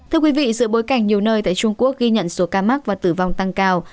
thưa quý vị giữa bối cảnh nhiều nơi tại trung quốc ghi nhận số ca mắc và tử vong tăng cao